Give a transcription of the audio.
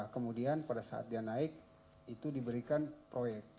kemudian pada saat dia naik itu diberikan proyek